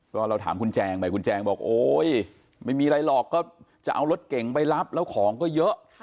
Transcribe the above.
ก็เราถามคุณแจงไปคุณแจงบอกโอ๊ย